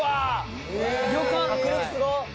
迫力すごっ！